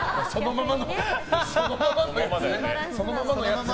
そのままのやつ。